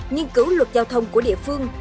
nhân cứu luật giao thông của địa phương